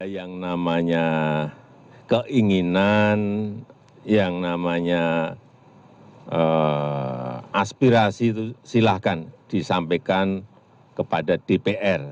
yang namanya keinginan yang namanya aspirasi itu silahkan disampaikan kepada dpr